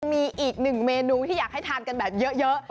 มีอีกหนึ่งเมนูที่อยากให้ทานกันแบบเยอะ